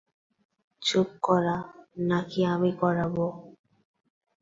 চুপ করা, নাকি আমি করাব!